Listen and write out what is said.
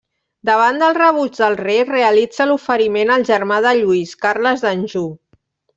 Davant del rebuig del rei, realitza l'oferiment al germà de Lluís, Carles d'Anjou.